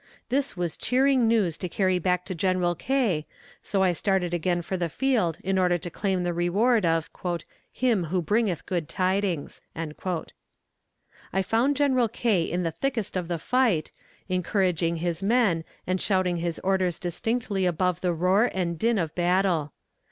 This was cheering news to carry back to General K., so I started again for the field in order to claim the reward of "him who bringeth good tidings." I found General K. in the thickest of the fight, encouraging his men and shouting his orders distinctly above the roar and din of battle.